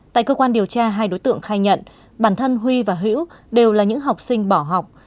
tại cơ quan điều tra hai đối tượng khai nhận bản thân huy và hữu đều là những học sinh bỏ học